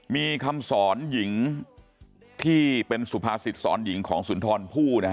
มีคำสอนหญิงที่เป็นสุภาษิตสอนหญิงของสุนทรผู้นะฮะ